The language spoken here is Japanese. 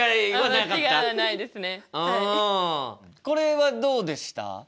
これはどうでした？